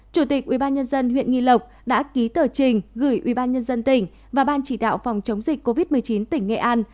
chủ tịch ubnd huyện nghi lộc đã ký tờ trình gửi ubnd tỉnh và ban chỉ đạo phòng chống dịch covid một mươi chín tỉnh nghệ an